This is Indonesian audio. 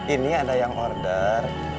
ini ada yang order